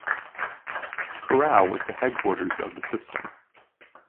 Corral was the headquarters of the system.